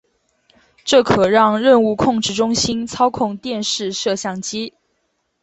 这可让任务控制中心操控电视摄像机。